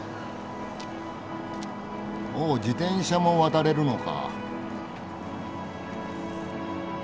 お自転車も渡れるのか。